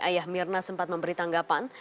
ayah mirna sempat memberi tanggapan